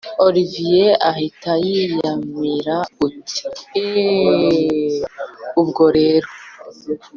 olivier ahita yiyamira uti”eee eee eee ubwo rero